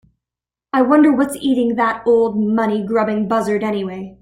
I wonder what's eating that old money grubbing buzzard anyway?